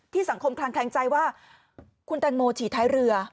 สังคมคลางแคลงใจว่าคุณแตงโมฉี่ท้ายเรือ